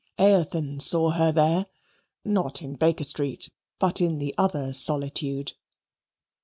Eothen saw her there not in Baker Street, but in the other solitude.